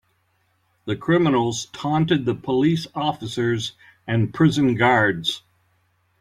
The criminals taunted the police officers and prison guards.